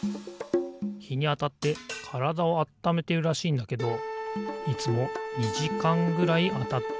ひにあたってからだをあっためてるらしいんだけどいつも２じかんぐらいあたってんだよなあ。